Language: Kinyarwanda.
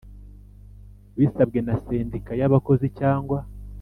Bisabwe na sendika y abakozi cyangwa